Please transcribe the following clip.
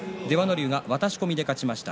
龍は渡し込みで勝ちました。